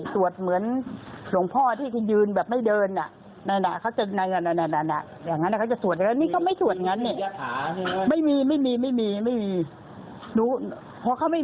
ส่วนคุณป้าวัย๗๒นะคะ